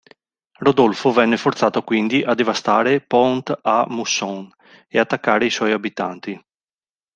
Rodolfo venne forzato quindi a devastare Pont-à-Mousson e attaccare i suoi abitanti.